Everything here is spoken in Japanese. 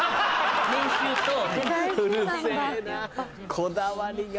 こだわりが。